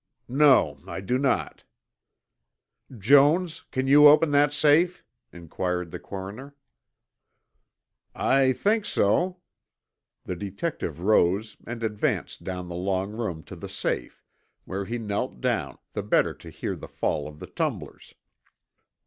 "No, I do not." "Jones, can you open that safe?" inquired the coroner. "I think so." The detective rose and advanced down the long room to the safe, where he knelt down, the better to hear the fall of the tumblers.